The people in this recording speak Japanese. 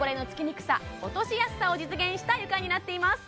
にくさ落としやすさを実現した床になっています